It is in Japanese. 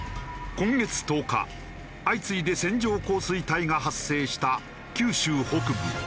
今月１０日相次いで線状降水帯が発生した九州北部。